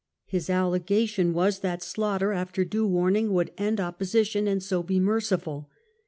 His allegation was that slaughter, after due warning, would end opposition, and so be merciful.